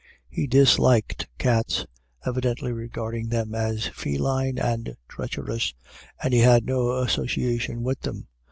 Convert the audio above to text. He disliked cats, evidently regarding them as feline and treacherous, and he had no association with them.